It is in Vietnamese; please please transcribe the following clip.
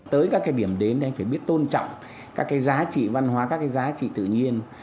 tới các cái điểm đến anh phải biết tôn trọng các cái giá trị văn hóa các cái giá trị tự nhiên